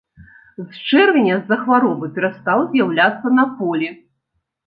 З чэрвеня з-за хваробы перастаў з'яўляцца на полі.